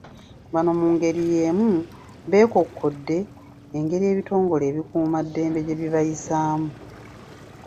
Bano mu ngeri y'emu beekokkodde engeri ebitongole ebikuumaddembe gye bibayisaamu.